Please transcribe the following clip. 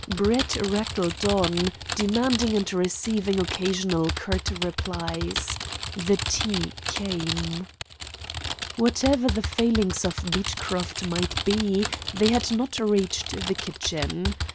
Brett rattled on, demanding and receiving occasional curt replies. The tea came. Whatever the failings of Beechcroft might be, they had not reached the kitchen.